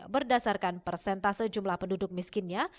berdasarkan persentase jumlah penduduk miskinnya